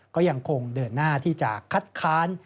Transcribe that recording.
ก็ยังคงเดินหน้าที่จะคัดค้าน